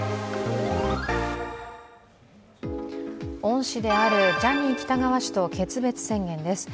恩師であるジャニー喜多川氏と決別宣言です